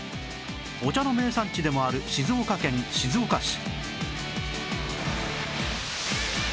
お茶の名産地でもある静岡県静岡市